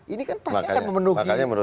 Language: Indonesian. ini kan pasti akan memenuhi